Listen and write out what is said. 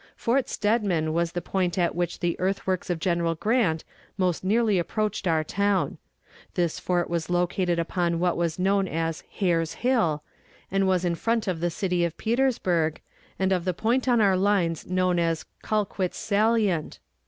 Fort Steadman was the point at which the earthworks of General Grant most nearly approached our own. This fort was located upon what was known as Hare's Hill, and was in front of the city of Petersburg, and of the point on our lines known as Colquitt's Salient.